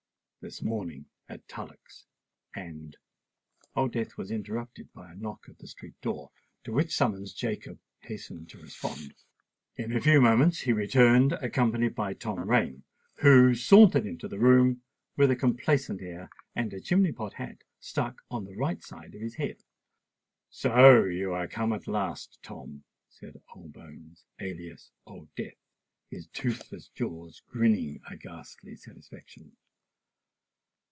"This morning, at Tullock's; and——" Old Death was interrupted by a knock at the street door, to which summons Jacob hastened to respond. In a few moments he returned, accompanied by Tom Rain, who sauntered into the room, with a complaisant air and the chimney pot hat stuck on the right side of his head. "So you are come at last, Tom," said Bones, alias Old Death, his toothless jaws grinning a ghastly satisfaction.